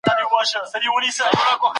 زه پرون ليکنه کوم وم.